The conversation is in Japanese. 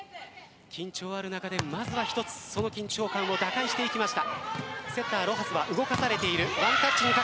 緊張ある中で、まずは一つその緊張感を打開してきました。